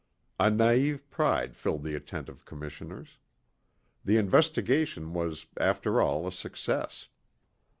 A naive pride filled the attentive commissioners. The Investigation was after all a success.